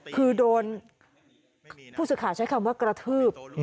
คือโดนผู้ศึกษาใช้คำว่ากระทืบ